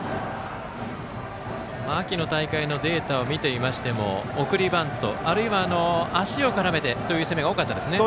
秋の大会のデータを見ていましても送りバント、あるいは足を絡めてという攻めが多かったですね。